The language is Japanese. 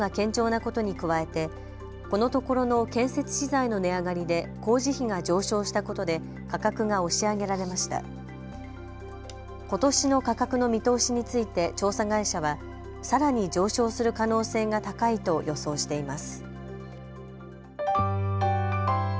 ことしの価格の見通しについて調査会社はさらに上昇する可能性が高いと予想しています。